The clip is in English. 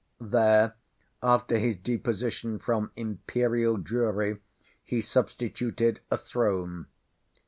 There, after his deposition from Imperial Drury, he substituted a throne.